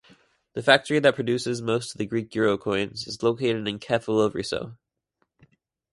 The factory that produces most of the Greek euro coins is located in Kefalovryso.